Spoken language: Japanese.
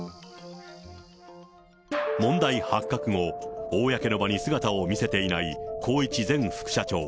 問題発覚後、公の場に姿を見せていない宏一前副社長。